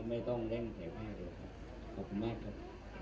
ไม่ต้องเร่งถ่ายภาพเลยครับขอบคุณมากครับ